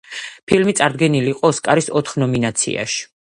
ფილმი წარდგენილი იყო ოსკარის ოთხ ნომინაციაში.